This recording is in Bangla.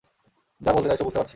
যা বলতে চাইছো, বুঝতে পারছি।